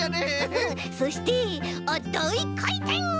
そしてあっだいかいてん！